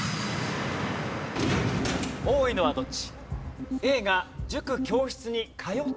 多いのはどっち？